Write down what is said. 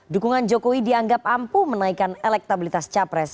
dukungan jokowi dianggap ampuh menaikkan elektabilitas capres